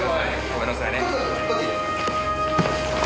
ごめんなさいね。